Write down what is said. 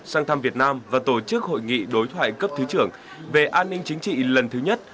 sang thăm việt nam và tổ chức hội nghị đối thoại cấp thứ trưởng về an ninh chính trị lần thứ nhất